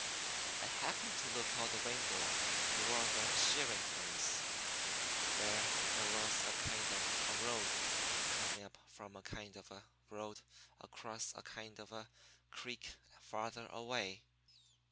I happened to look out the window toward the shearing pens, where there was a kind of a road coming up from a kind of a road across a kind of a creek farther away.